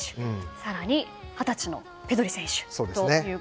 更に二十歳のペドリ選手と。